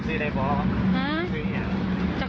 คือสิ่งที่เราติดตามคือสิ่งที่เราติดตาม